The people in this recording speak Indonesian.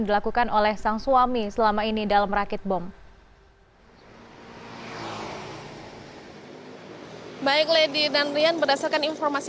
dilakukan oleh sang suami selama ini dalam rakit bom baik lady dan rian berdasarkan informasi